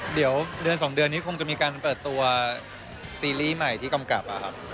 เดี๋ยวเดือน๒เดือนนี้คงจะมีการเปิดตัวซีรีส์ใหม่ที่กำกับครับ